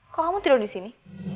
kok kamu tidur disini